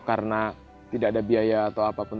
karena tidak ada biaya atau apapun